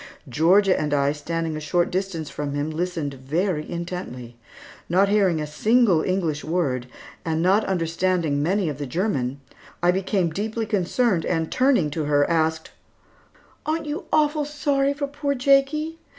Georgia and I standing a short distance from him, listened very intently. Not hearing a single English word, and not understanding many of the German, I became deeply concerned and turning to her asked, "Aren't you awful sorry for poor Jakie?